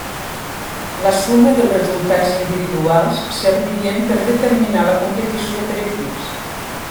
La suma dels resultats individuals servien per determinar la competició per equips.